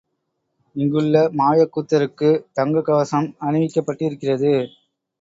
இங்குள்ள மாயக் கூத்தருக்கு தங்கக் கவசம் அணிவிக்கப்பட்டிருக்கிறது.